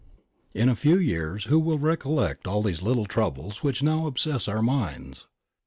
In a few years who will recollect all these little troubles which now obsess our minds